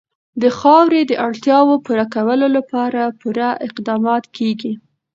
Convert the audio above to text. د خاورې د اړتیاوو پوره کولو لپاره پوره اقدامات کېږي.